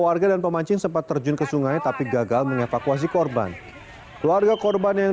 warga dan pemancing sempat terjun ke sungai tapi gagal mengevakuasi korban keluarga korban yang